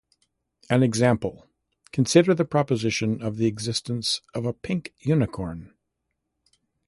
An example: Consider the proposition of the existence of a "pink unicorn".